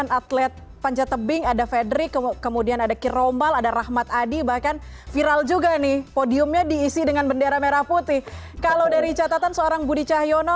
catatannya memang dari beberapa untuk cowok